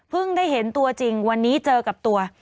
ได้เห็นตัวจริงวันนี้เจอกับตัว